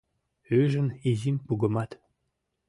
Ӱжын изим-кугымат —